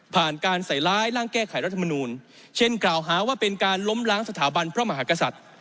การใส่ร้ายร่างแก้ไขรัฐมนูลเช่นกล่าวหาว่าเป็นการล้มล้างสถาบันพระมหากษัตริย์